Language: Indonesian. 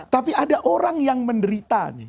tapi ada orang yang menderita